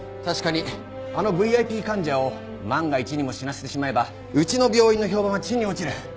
確かにあのＶＩＰ患者を万が一にも死なせてしまえばうちの病院の評判は地に落ちる。